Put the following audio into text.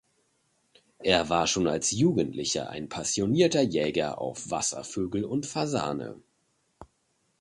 Er war schon als Jugendlicher ein passionierter Jäger auf Wasservögel und Fasane.